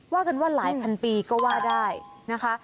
ว่ากันว่าหลายพันปีก็ว่าได้นะคะ